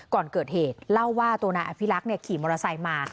ก่อนเกิดเหตุเล่าว่าตัวนายอภิรักษ์ขี่มอเตอร์ไซค์มา